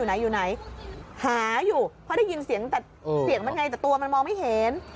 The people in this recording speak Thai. ไหนอยู่ไหนหาอยู่เพราะได้ยินเสียงแต่เสียงมันไงแต่ตัวมันมองไม่เห็น